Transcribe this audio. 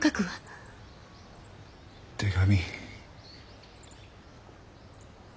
手紙？